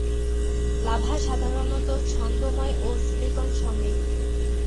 Lava সাধারণত ছন্দময় ও সিলিকন সমৃদ্ধ।